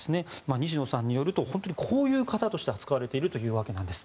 西野さんによると本当にこういう方として扱われているということです。